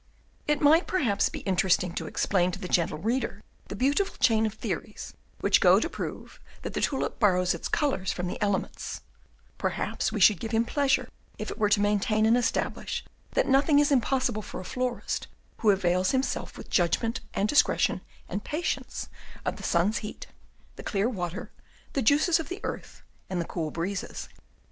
It might perhaps be interesting to explain to the gentle reader the beautiful chain of theories which go to prove that the tulip borrows its colors from the elements; perhaps we should give him pleasure if we were to maintain and establish that nothing is impossible for a florist who avails himself with judgment and discretion and patience of the sun's heat, the clear water, the juices of the earth, and the cool breezes.